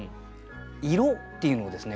「色」っていうのをですね